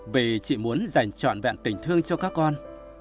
về chị muốn dành trọn vẹn tình thương cho các con